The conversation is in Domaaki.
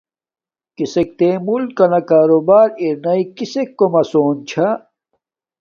کسک تے ملکنا کاروبار ارناݵ کسک کوم اسون چھا،